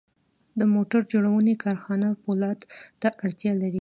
د موټر جوړونې کارخانه پولادو ته اړتیا لري